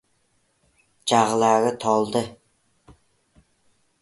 Jag‘lari toldi.